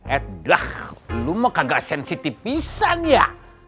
edah lu mah kagak sensitifisan ya